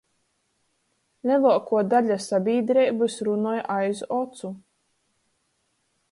Leluokuo daļa sabīdreibys runoj aiz ocu.